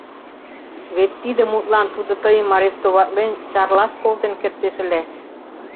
Вет тиде мутлан тудо тыйым арестоватлен Чарлаш колтен кертеш ыле.